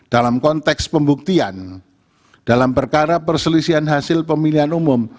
dalam konteks pembuktian dalam perkara perselisihan hasil pemilihan umum